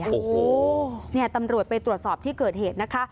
โอ้โหเนี่ยตำรวจไปตรวจสอบที่เกิดเหตุนะคะ